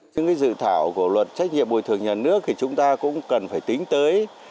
những dự thảo của luật trách nhiệm bồi thường nhà nước thì chúng ta cũng cần phải tính tới